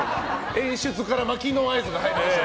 演出から巻きの合図が入りました。